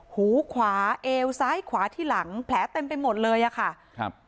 หูขวาเอวซ้ายขวาที่หลังแผลเต็มไปหมดเลยอ่ะค่ะครับ